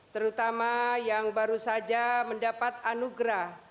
terutama yang baru saja mendapat anugerah